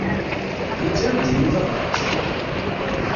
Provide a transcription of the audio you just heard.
Yettaru Jimmy tabrat?